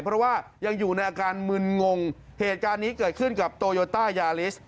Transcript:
เพราะว่ายังอยู่ในอาการมึนงงเหตุการณ์นี้เกิดขึ้นกับโตโยต้ายาลิส